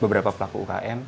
beberapa pelaku ukm